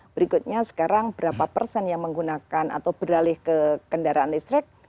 berikutnya sekarang berapa persen yang menggunakan atau beralih ke kendaraan listrik